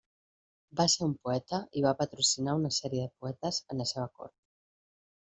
Va ser un poeta i va patrocinar una sèrie de poetes en la seva cort.